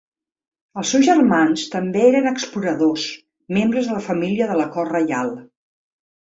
Els seus germans també eren exploradors, membres de la família de la Cort Reial.